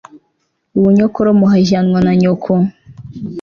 ibunyokorome uhajyanwa na nyoko